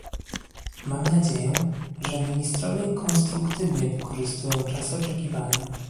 Mam nadzieję, że ministrowie konstruktywnie wykorzystują czas oczekiwania